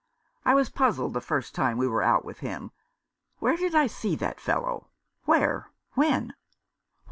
I was puzzled the first time we were out with him. Where did I see that fellow — where — when